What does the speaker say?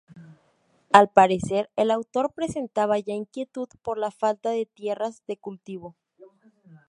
Al parecer, el autor presentaba ya inquietud por la falta de tierras de cultivo.